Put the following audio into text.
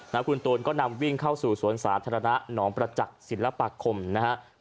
แล้วคุณตูนก็นำวิ่งเข้าสู่สวนสาธารณะหนองประจักษ์ศิลปาคมนะครับ